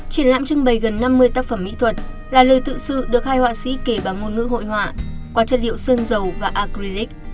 triển lãm trưng bày gần năm mươi tác phẩm mỹ thuật là lời tự sự được hai họa sĩ kể bằng ngôn ngữ hội họa qua chất liệu sơn dầu và acrux